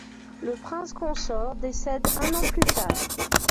Le prince consort décède un an plus tard.